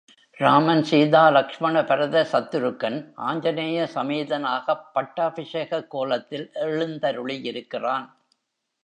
ராமன், சீதா லக்ஷ்மண பரத சத்துருக்கன ஆஞ்சநேய சமேதனாகப் பட்டாபிஷேகக்கோலத்தில் எழுந்தருளியிருக்கிறான்.